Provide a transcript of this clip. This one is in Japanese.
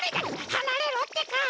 はなれろってか！